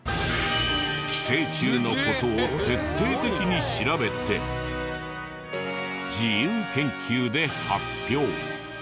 寄生虫の事を徹底的に調べて自由研究で発表！